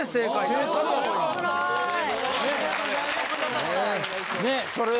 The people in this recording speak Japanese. ありがとうございます。